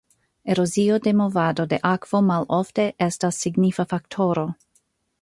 Erozio de movado de akvo malofte estas signifa faktoro.